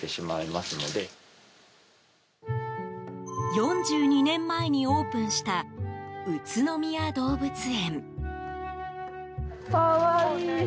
４２年前にオープンした宇都宮動物園。